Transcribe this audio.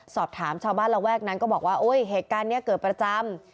สอบถามชาวบ้านระแวกนั้นก็บอกว่าโอ๊ยเหตุการณ์นี้เกิดประจำ